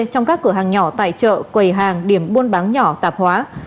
trong các cửa hàng nhỏ tài trợ quầy hàng điểm buôn bán nhỏ tạp hóa